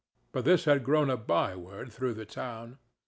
for this had grown a by word through the town.